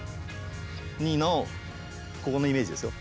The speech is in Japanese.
ここのイメージですよ